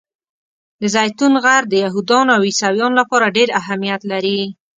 د زیتون غر د یهودانو او عیسویانو لپاره ډېر اهمیت لري.